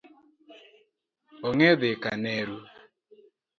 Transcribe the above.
Onge dhi kaneru